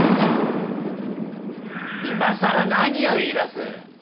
今更何を言いだす。